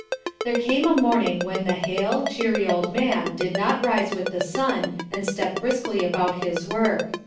There came a morning when the hale, cheery old man did not rise with the sun and step briskly about his work.